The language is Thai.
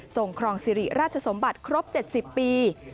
ครองสิริราชสมบัติครบ๗๐ปี